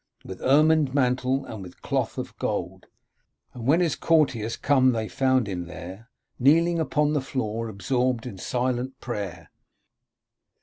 With ermined mantle, and with cloth of gold ; And when his courtiers can>e they found him there. Kneeling upon the floor, absorbed in silent prayer.